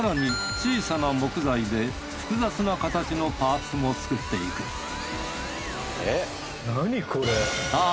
小さな木材で複雑な形のパーツも作っていくさあ